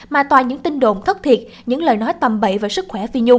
mà toàn những tin đồn thất thiệt những lời nói tầm bậy về sức khỏe